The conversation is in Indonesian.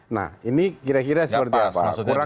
nah ini kira kira seperti apa